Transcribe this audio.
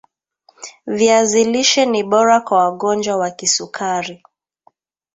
viazi lishe ni bora kwa wagonjwa wa kisukari